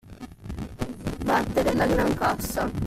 Battere la grancassa.